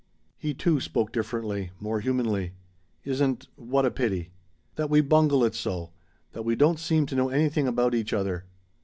He, too, spoke differently more humanly. "Isn't what a pity?" "That we bungle it so! That we don't seem to know anything about each other.